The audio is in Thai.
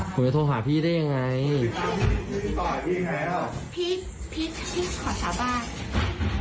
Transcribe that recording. พี่ขอสาบาลพี่ตังค์อาหาร